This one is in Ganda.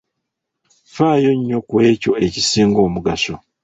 Ffaayo nnyo ku ekyo ekisinga omugaso.